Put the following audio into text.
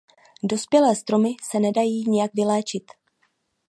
Dospělé stromy se nedají nijak vyléčit.